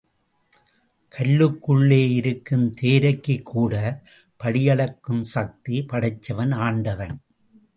கல்லுக்குள்ளே இருக்கும் தேரைக்குக் கூட படியளக்கும் சத்தி படைச்சவன் ஆண்டவன்.